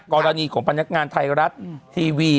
กรณีของพนักงานไทยรัฐทีวี